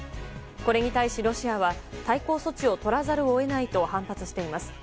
これに対し、ロシアは対抗措置を取らざるを得ないと反発しています。